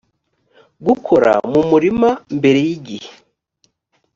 gukora mu murima mbere y igihe